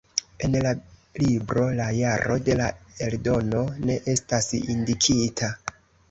En la libro la jaro de la eldono ne estas indikita.